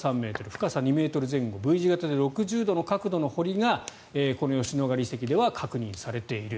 深さ２ｍ前後Ｖ字形で６０度の角度の堀が吉野ヶ里遺跡では確認されている。